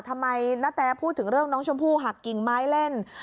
ทำไมณแตพูดถึงเรื่องน้องชมพู่หักกิ่งไม้เล่น